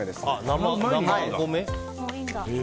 生米。